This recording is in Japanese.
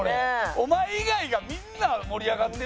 お前以外がみんな盛り上がってるぞちゃんと。